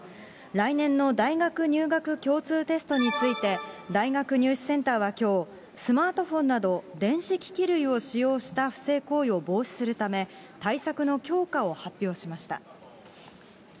来年の大学入学共通テストについて、大学入試センターはきょう、スマートフォンなど電子機器類を使用した不正行為を防止するため、対策の強化を発表しました。